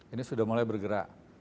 ini sudah mulai bergerak